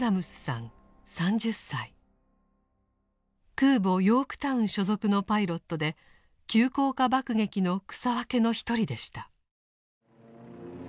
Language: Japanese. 空母「ヨークタウン」所属のパイロットで急降下爆撃の草分けの一人でした。